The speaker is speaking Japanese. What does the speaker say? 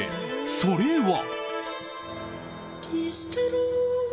それは。